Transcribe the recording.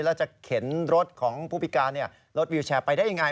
แล้วจะเข็นรถของผู้พิการรถวิวแชร์ไปได้ยังไง